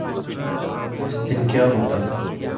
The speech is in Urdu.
اس دن کیا ہوتاہے۔